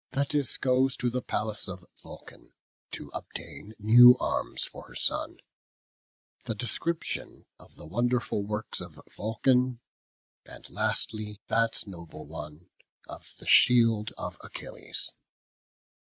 Thetis goes to the palace of Vulcan, to obtain new arms for her son. The description of the wonderful works of Vulcan; and, lastly, that noble one of the shield of Achilles.